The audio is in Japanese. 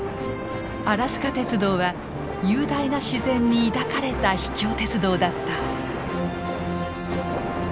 アラスカ鉄道は雄大な自然に抱かれた秘境鉄道だった！